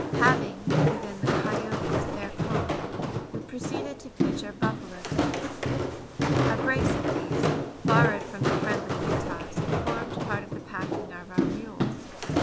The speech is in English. Having given the coyotes their conge, we proceeded to pitch our buffalo tents. A brace of these, borrowed from the friendly Utahs, formed part of the packing of our mules.